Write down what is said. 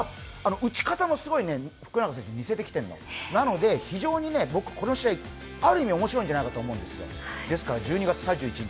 この頃は打ち方はすごい福永選手に寄せてきてるのでなので非常に僕、この試合、ある意味面白いんじゃないかと思うんですよ。